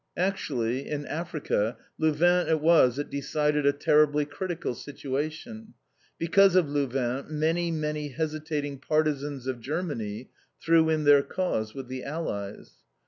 Actually, in Africa, Louvain it was that decided a terribly critical situation. Because of Louvain, many, many hesitating partisans of Germany threw in their cause with the Allies.